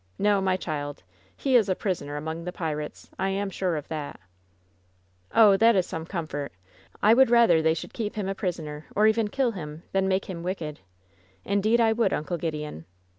No, mj child, he is a prisoner among the pirates — ^I am sure of that^' "Oh, then that is some comfort I I would rather they should keep him a prisoner, or even kill him, than make him wicked! Indeed, I would. Uncle Gideon.